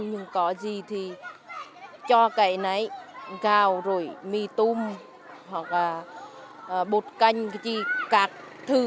nhưng có gì thì cho cái này gạo rồi mì tôm hoặc bột canh các thứ